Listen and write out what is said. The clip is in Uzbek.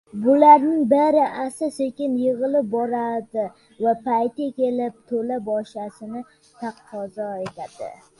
Bularning bari asta-sekin yigʻilib boradi va payti kelib toʻla boʻshashni taqozo etadi.